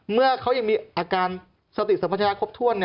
เมื่อเขายังมีอาการสติสัมพัชญาครบถ้วน